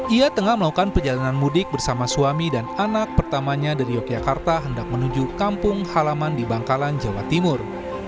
ia tengah melakukan perjalanan mudik bersama suami dan anak pertamanya dari yogyakarta hendak menuju kampung halaman di bangkalan jawa timur